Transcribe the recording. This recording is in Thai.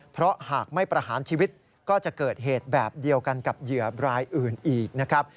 เพราะหากไม่ประหารชีวิตก็จะเกิดเหตุแบบเดียวกันกับเหยื่อรายอื่นอีกนะครับ